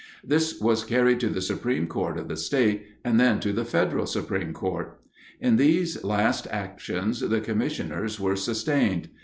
This was carried to the supreme court of the state and then to the federal Supreme Court. In these last actions the commissioners were sustained.